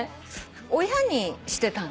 親にしてた。